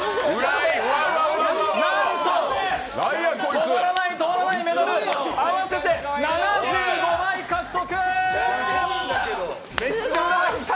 止まらない止まらないメダル、合わせて７５枚獲得。